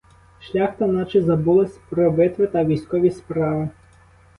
Шляхта наче забулась про битви та військові справи.